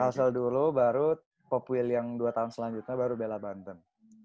kan sel dulu baru popwil yang dua tahun selanjutnya baru bela tantan